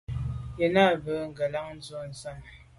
Yen nà ba ngelan ndù sàne.